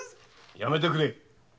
やめてくれ。